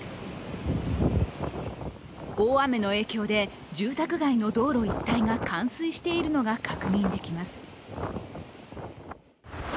大雨の影響で、住宅街の道路一帯が冠水しているのが確認できます。